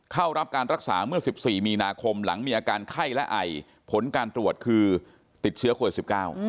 เข้ารับการรักษาเมื่อ๑๔มีนาคมหลังมีอาการไข้และไอผลการตรวจคือติดเชื้อโควิด๑๙